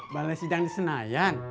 balai sidang di senayan